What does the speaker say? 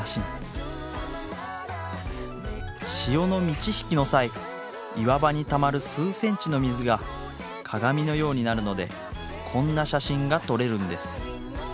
潮の満ち引きの際岩場にたまる数センチの水が鏡のようになるのでこんな写真が撮れるんです。